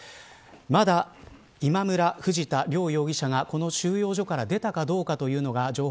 まだ今村、藤田両容疑者がこの収容所から出たかどうかというのが情報